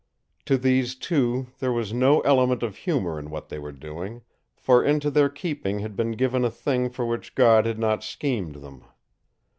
To these two there was no element of humor in what they were doing, for into their keeping had been given a thing for which God had not schemed them.